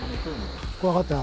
怖かった。